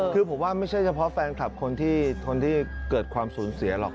คือผมว่าไม่ใช่เฉพาะแฟนคลับคนที่เกิดความสูญเสียหรอก